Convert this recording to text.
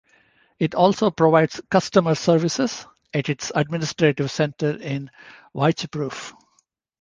It also provides customer services at its administrative centre in Wycheproof.